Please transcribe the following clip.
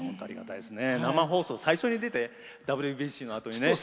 生放送を最初に出て、ＷＢＣのあとね。